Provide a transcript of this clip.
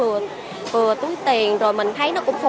rồi mình thấy nó đã là vừa túi tiền rồi mình thấy nó đã là vừa túi tiền